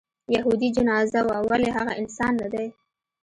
یهودي جنازه وه ولې هغه انسان نه دی.